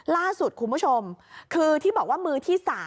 ล่าสุดคุณผู้ชมคือที่บอกว่ามือที่๓